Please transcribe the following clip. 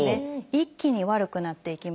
一気に悪くなっていきます。